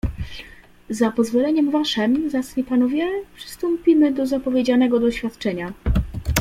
"Za pozwoleniem waszem, zacni panowie, przystąpimy do zapowiedzianego doświadczenia."